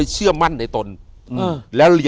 อยู่ที่แม่ศรีวิรัยิลครับ